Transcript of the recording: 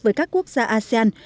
với các quốc gia asean